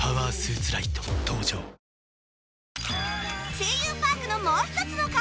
『声優パーク』のもう一つの顔